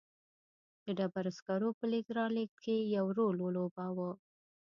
د ډبرو سکرو په لېږد رالېږد کې یې رول ولوباوه.